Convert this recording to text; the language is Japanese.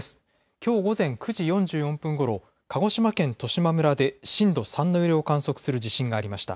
きょう午前９時４４分ごろ鹿児島県十島村で震度３の揺れを観測する地震がありました。